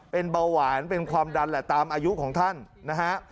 เป็นเบาหวานเป็นความดันแหละตามอายุของท่านนะฮะ